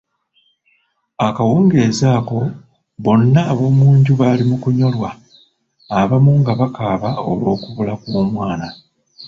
Akawungezi ako bonna ab'omunju bali mu kunnyolwa, abamu nga bakaaba olw'okubula kw'omwana.